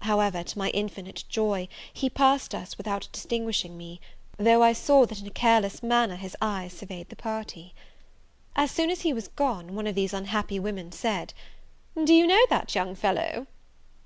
However, to my infinite joy, he passed us without distinguishing me; though I saw that in a careless manner, his eyes surveyed the party. As soon as he was gone, one of these unhappy women said, "Do you know that young fellow?"